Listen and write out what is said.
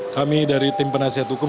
kami dari tim penasihat hukum